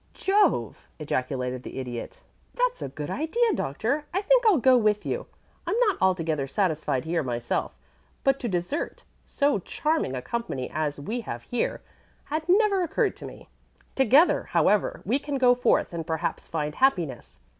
"Jove!" ejaculated the Idiot. "That's a good idea, Doctor. I think I'll go with you; I'm not altogether satisfied here myself, but to desert so charming a company as we have here had never occurred to me. Together, however, we can go forth, and perhaps find happiness.